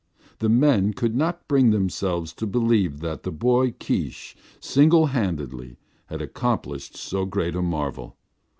The men could not bring themselves to believe that the boy Keesh, single handed, had accomplished so great a marvel.